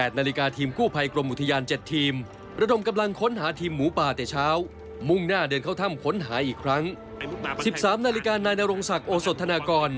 ๑๓นาฬิกานายนรงศักดิ์โอสธนากร